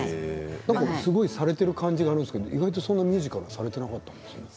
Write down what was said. すごいされてる感じがあるんですが意外とミュージカルされていないんですね。